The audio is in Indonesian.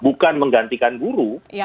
bukan menggantikan guru